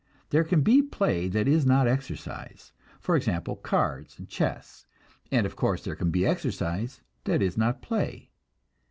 There can be play that is not exercise, for example cards and chess; and, of course, there can be exercise that is not play.